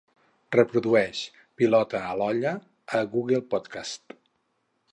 Reprodueix "Pilota a l'olla" a Google Podcast.